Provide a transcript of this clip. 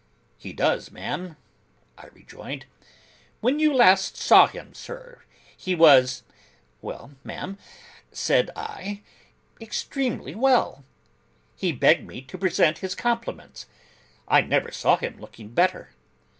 'He does, ma'am,' I rejoined. 'When you last saw him, sir, he was—' 'Well, ma'am,' said I, 'extremely well. He begged me to present his compliments. I never saw him looking better.